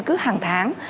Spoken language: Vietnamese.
cứ hàng tháng